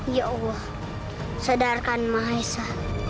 ya allah sadarkan maha esa